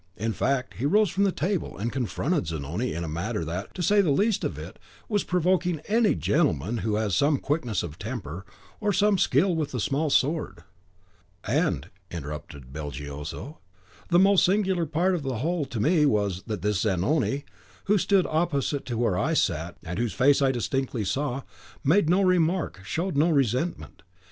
In fact, he rose from the table, and confronted Zanoni in a manner that, to say the least of it, was provoking to any gentleman who has some quickness of temper, or some skill with the small sword." "And," interrupted Belgioso, "the most singular part of the whole to me was, that this Zanoni, who stood opposite to where I sat, and whose face I distinctly saw, made no remark, showed no resentment.